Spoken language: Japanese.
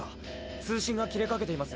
通信が切れかけています。